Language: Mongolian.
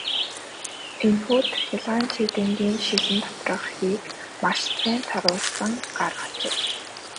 Энэхүү цахилгаан чийдэнгийн шилэн доторх хийг маш сайн соруулан гаргажээ.